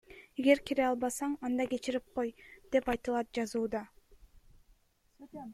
Эгер кире албасан, анда кечирип кой, — деп айтылат жазууда.